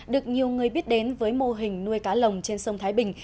được nhiều người biết đến với mô hình nuôi cá lồng trên sông thái bình